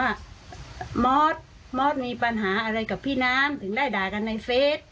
มอสมอสมีปัญหาอะไรกับพี่น้ำถึงได้ด่ากันในเฟส